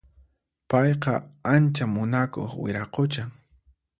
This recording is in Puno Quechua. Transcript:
Payqa ancha munakuq wiraquchan